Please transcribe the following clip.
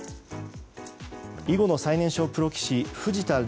囲碁の最年少プロ棋士藤田怜